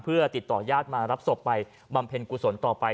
เพื่อติดต่อญาติมารับศพไปบำเพ็ญกุศลต่อไป